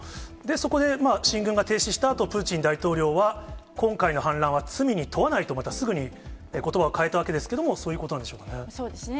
そこで進軍が停止したあと、プーチン大統領は、今回の反乱は罪に問わないと、またすぐにことばを変えたわけですけれども、そういうことなんでそうですね。